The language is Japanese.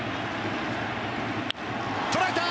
捉えた！